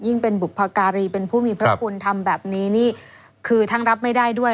เป็นบุพการีเป็นผู้มีพระคุณทำแบบนี้นี่คือทั้งรับไม่ได้ด้วย